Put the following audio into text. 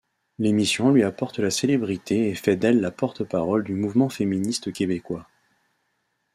L'émission lui apporte la célébrité et fait d'elle la porte-parole du mouvement féministe québécois.